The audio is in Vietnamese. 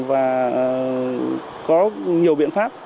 và có nhiều biện pháp